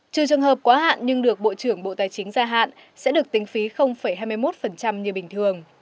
trừ trường hợp quá hạn nhưng được bộ trưởng bộ tài chính gia hạn sẽ được tính phí hai mươi một như bình thường